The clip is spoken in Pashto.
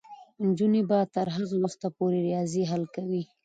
نجونې به تر هغه وخته پورې ریاضي حل کوي.